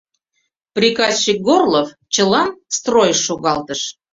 Приказчик Горлов чылам стройыш шогалтыш.